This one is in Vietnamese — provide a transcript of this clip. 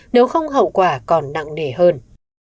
nếu không hậu quả còn nặng nề hơn